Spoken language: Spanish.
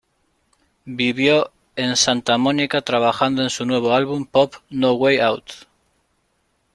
Vivió en Santa Mónica, trabajando en su nuevo álbum pop "No Way Out".